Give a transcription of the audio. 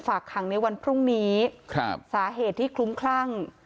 ฝากขังในวันพรุ่งนี้ครับสาเหตุที่คลุ้มคลั่ง